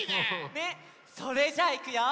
それじゃあいくよ！